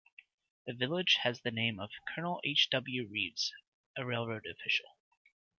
The village has the name of Colonel H. W. Rives, a railroad official.